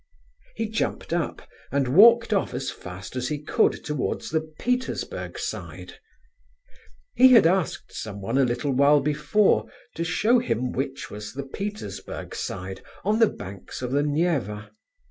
He jumped up and walked off as fast as he could towards the "Petersburg Side." [One of the quarters of St. Petersburg.] He had asked someone, a little while before, to show him which was the Petersburg Side, on the banks of the Neva.